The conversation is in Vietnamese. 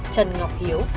trần ngọc hiếu